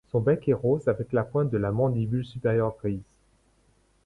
Son bec est rose avec la pointe de la mandibule supérieure grise.